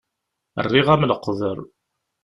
Rriɣ-am leqder.